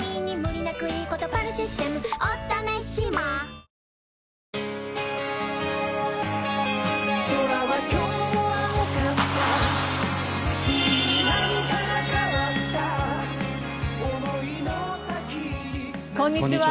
こんにちは。